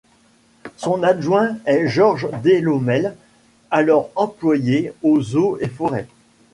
Son adjoint est Georges Delhommel, alors employé aux Eaux et Forêt.